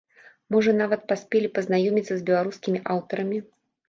Можа нават паспелі пазнаёміцца з беларускімі аўтарамі?